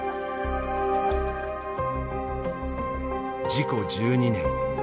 事故１２年。